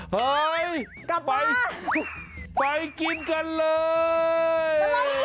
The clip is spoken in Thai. เฮ้ยกลับมาไปกินกันเลย